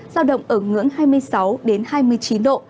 giao động ở ngưỡng hai mươi sáu hai mươi chín độ